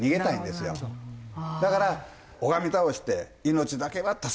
だから拝み倒して「命だけは助けてください」と。